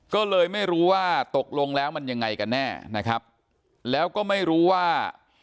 ก็เลยไม่รู้ว่าตกลงแล้วมันยังไงกันแน่นะครับแล้วก็ไม่รู้ว่า